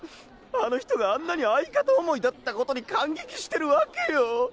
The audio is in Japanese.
あの人があんなに相方想いだったことに感激してるわけよ。